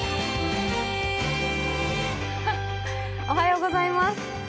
おはようございます。